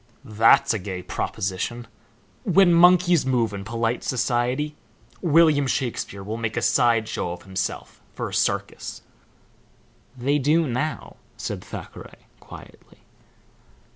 "That's a gay proposition. When monkeys move in polite society William Shakespeare will make a side show of himself for a circus." "They do now," said Thackeray, quietly.